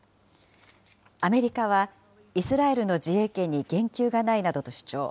アメリカは、イスラエルの自衛権に言及がないなどと主張。